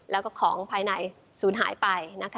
แล้วก็ของภายในศูนย์หายไป